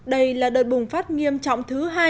đây là đợt bùng phát nghiêm trọng thứ hai